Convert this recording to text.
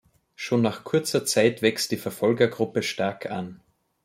Schon nach kurzer Zeit wächst die Verfolgergruppe stark an.